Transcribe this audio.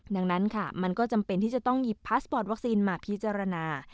ดังนั้นค่ะมันก็จำเป็นที่จะต้องหยิบพาสปอร์ตวัคซีนมาพิจารณา